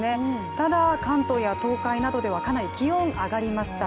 ただ関東や東海などではかなり気温上がりました。